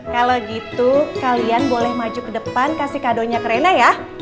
kalau gitu kalian boleh maju ke depan kasih kadonya kerena ya